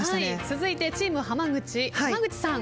続いてチーム浜口浜口さん。